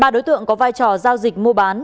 ba đối tượng có vai trò giao dịch mua bán